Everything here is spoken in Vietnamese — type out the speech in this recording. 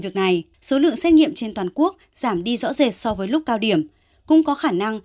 việc này số lượng xét nghiệm trên toàn quốc giảm đi rõ rệt so với lúc cao điểm cũng có khả năng